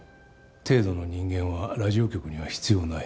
程度の人間はラジオ局には必要ない。